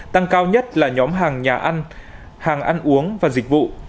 tăng cao nhất là nhóm hàng nhà ăn hàng ăn uống và dịch vụ